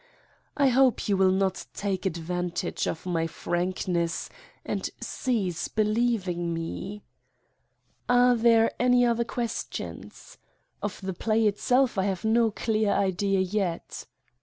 I hope you will not take advantage of my frankness and cease believing me. Are there any other questions? Of the play it self I have no clear idea yet.